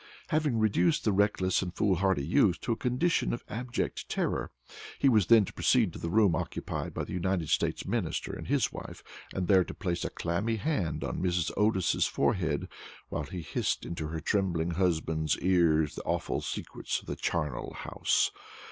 Having reduced the reckless and foolhardy youth to a condition of abject terror, he was then to proceed to the room occupied by the United States Minister and his wife, and there to place a clammy hand on Mrs. Otis's forehead, while he hissed into her trembling husband's ear the awful secrets of the charnel house.